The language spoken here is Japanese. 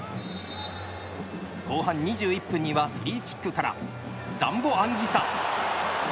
後半２１分にはフリーキックからザンボアンギサ。